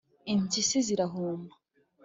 impyisi zirahuma